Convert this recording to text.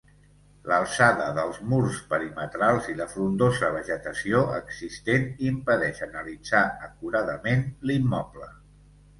L'alçada dels murs perimetrals i la frondosa vegetació existent impedeix analitzar acuradament l'immoble.